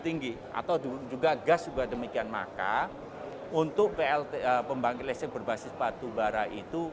tinggi atau juga gas juga demikian maka untuk plta pembangkit listrik berbasis batubara itu